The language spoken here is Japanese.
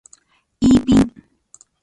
イーピン